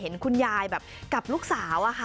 เห็นคุณยายแบบกับลูกสาวอะค่ะ